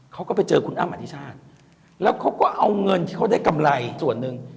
เขาก็ไปเจอคุณอ้ำอธิชาติแล้วเขาก็เอาเงินที่เขาได้กำไรส่วนหนึ่ง